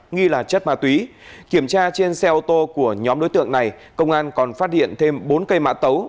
nghi là chất ma túy kiểm tra trên xe ô tô của nhóm đối tượng này công an còn phát hiện thêm bốn cây mã tấu